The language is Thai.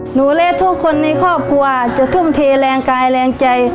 หนูและทุกคนในครอบครัวจะทุ่มเทแรงกายแรงใจ